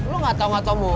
lu gak tau ngatau mu